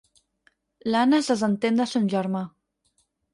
L'Anna es desentén de son germà.